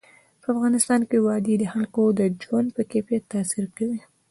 په افغانستان کې وادي د خلکو د ژوند په کیفیت تاثیر کوي.